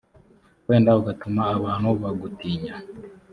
wenda ugatuma abantu bagutinya